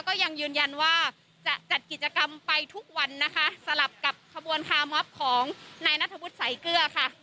ก็ยังยืนยันว่าจะจัดกิจกรรมไปทุกวันนะคะสลับกับขบวนคาร์มอบของนายนัทวุฒิสายเกลือค่ะ